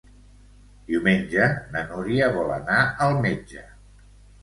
Diumenge na Núria vol anar al metge.